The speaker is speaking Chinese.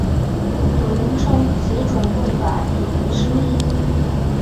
有人称此种用法引喻失义。